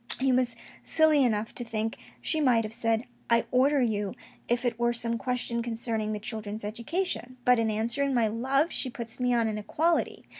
He was silly enough to think she might have said " I order you," if it were some question concerning the children's education, but in answering my love she puts me on an equality.